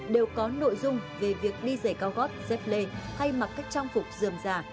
đều có nội dung về việc đi dày cao gót dép lê hay mặc cách trang phục dườm giả